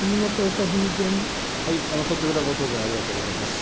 率直なご答弁、ありがとうございます。